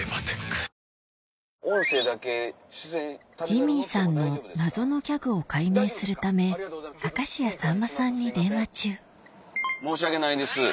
⁉ジミーさんの謎のギャグを解明するため明石家さんまさんに電話中申し訳ないです。